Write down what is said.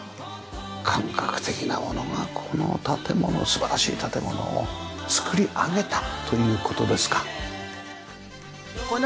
感覚的なものがこの建物素晴らしい建物を造り上げたという事ですか。